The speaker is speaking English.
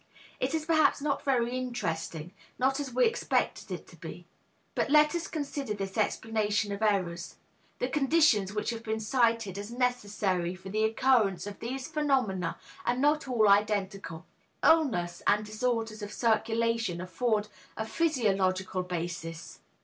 It is perhaps not very interesting, not as we expected it to be. But let us consider this explanation of errors. The conditions which have been cited as necessary for the occurrence of these phenomena are not all identical. Illness and disorders of circulation afford a physiological basis.